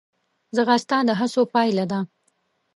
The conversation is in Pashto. ځغاسته د هڅو پایله ده